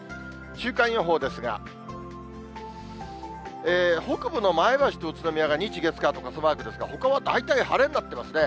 週間予報ですが、北部の前橋と宇都宮が日、月、火と傘マークですが、ほかは大体晴れになってますね。